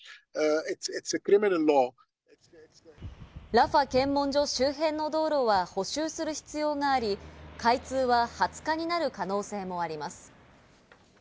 ラファ検問所周辺の道路は補修する必要があり、開通は２０日になる可能性もあります。